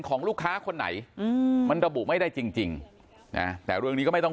ของลูกค้าคนไหนอืมมันระบุไม่ได้จริงจริงนะแต่เรื่องนี้ก็ไม่ต้อง